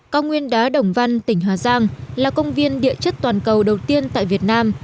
cao nguyên đá đồng văn tỉnh hà giang là công viên địa chất toàn cầu đầu tiên tại việt nam